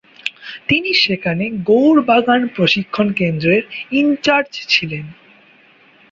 তিনি সেখানে গৌড় বাগান প্রশিক্ষণ কেন্দ্রের ইনচার্জ ছিলেন।